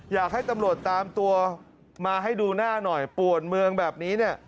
อยากให้ตำรวจตามตัวมาให้ดูหน้าหน่อยป่วนเมืองแบบนี้เนี่ย